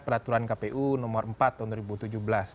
peraturan kpu nomor empat tahun dua ribu tujuh belas